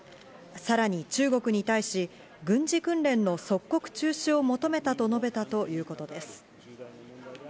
さらに中国に対し、軍事訓練の即刻中止を求めたと述べたということです。